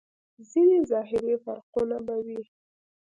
ځينې ظاهري فرقونه به وي.